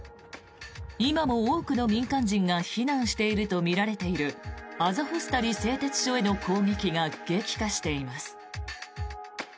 今も多くの民間人が避難しているとみられているアゾフスタリ製鉄所への攻撃が激化しています。